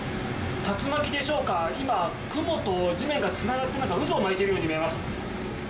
竜巻でしょうか、今、雲と地面がつながってるように渦を巻いているように見えます。